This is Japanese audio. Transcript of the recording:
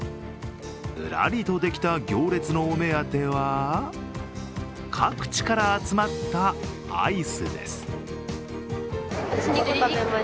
ずらりとできた行列のお目当ては各地から集まったアイスです。